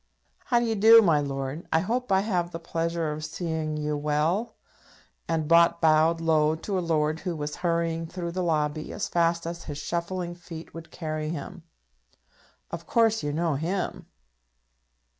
How d'ye do, my lord? I hope I have the pleasure of seeing you well?" and Bott bowed low to a lord who was hurrying through the lobby as fast as his shuffling feet would carry him. "Of course you know him?"